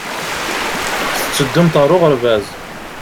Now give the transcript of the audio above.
Tetteddumt ɣer uɣerbaz.